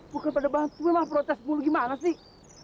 bukan pada bantuin mah protes mulu gimana sih